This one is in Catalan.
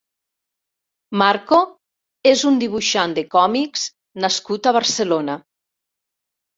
Marco és un dibuixant de còmics nascut a Barcelona.